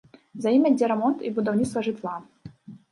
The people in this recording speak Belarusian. За ім ідзе рамонт і будаўніцтва жытла.